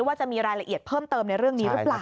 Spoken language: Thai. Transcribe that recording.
ว่าจะมีรายละเอียดเพิ่มเติมในเรื่องนี้หรือเปล่า